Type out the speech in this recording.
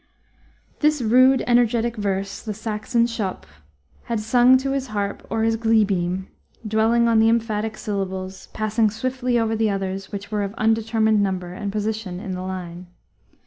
This rude energetic verse the Saxon scôp had sung to his harp or glee beam, dwelling on the emphatic syllables, passing swiftly over the others which were of undetermined number and position in the line.